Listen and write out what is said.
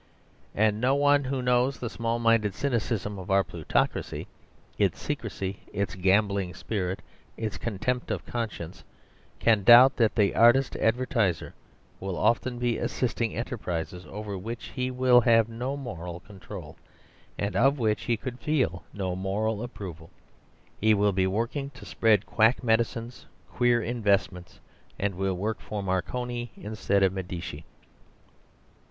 And no one who knows the small minded cynicism of our plutocracy, its secrecy, its gambling spirit, its contempt of conscience, can doubt that the artist advertiser will often be assisting enterprises over which he will have no moral control, and of which he could feel no moral approval. He will be working to spread quack medicines, queer investments; and will work for Marconi instead of Medici.